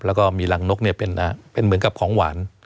แล้วก็มีรังนกเป็นเหมือนกับของหวาน